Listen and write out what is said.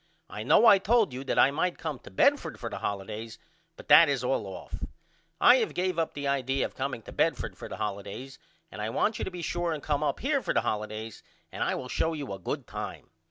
I know I told you that I might come to Bedford for the holidays but that is all off. I have gave up the idea of comeing to Bedford for the holidays and I want you to be sure and come up here for the holidays and I will show you a good time.